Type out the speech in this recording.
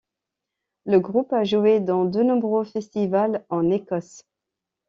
Le groupe a joué dans de nombreux festivals en Écosse.